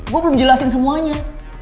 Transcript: gue belum jelasin semuanya